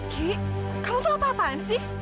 ki kau tuh apa apaan sih